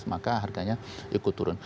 maka harganya ikut turun